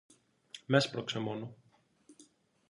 Μ' έσπρωξε μόνο